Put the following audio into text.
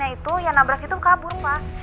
ya itu yang nabrak itu kabur pak